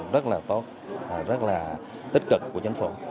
rất là tốt rất là tích cực của chính phủ